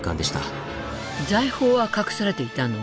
財宝は隠されていたの？